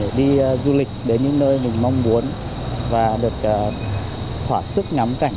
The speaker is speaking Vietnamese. để đi du lịch đến những nơi mình mong muốn và được thỏa sức ngắm cảnh